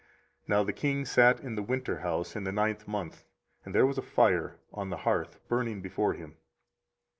24:036:022 Now the king sat in the winterhouse in the ninth month: and there was a fire on the hearth burning before him.